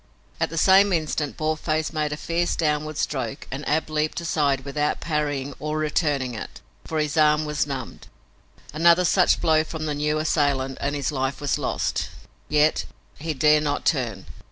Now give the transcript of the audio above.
At the same instant Boarface made a fierce downward stroke and Ab leaped aside without parrying or returning it, for his arm was numbed. Another such blow from the new assailant and his life was lost, yet he dare not turn.